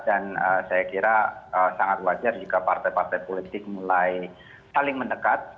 dan saya kira sangat wajar jika partai partai politik mulai saling mendekat